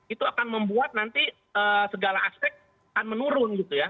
itu akan membuat nanti segala aspek akan menurun gitu ya